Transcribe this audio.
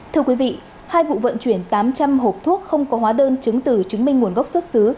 thưa quý vị hai vụ vận chuyển tám trăm linh hộp thuốc không có hóa đơn chứng từ chứng minh nguồn gốc xuất xứ